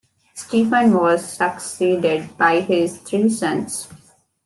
Stephen was succeeded by his three sons.